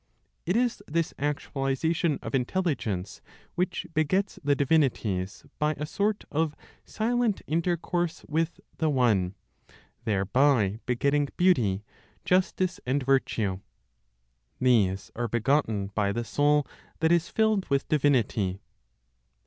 It is this actualization of intelligence which begets the divinities by a sort of silent intercourse with the One; thereby begetting beauty, justice and virtue. These are begotten by the soul that is filled with divinity.